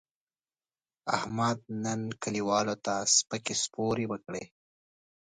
احمد نن کلیوالو ته سپکې سپورې وکړې.